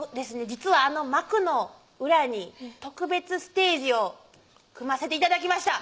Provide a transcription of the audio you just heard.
実はあの幕の裏に特別ステージを組ませて頂きました